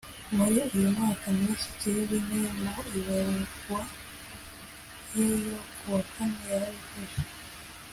Muri uyu mwaka Minisitiri w’ Intebe mu ibaruwa ye yo kuwa kane yarabivuze.